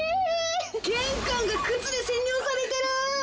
玄関が靴で占領されてる！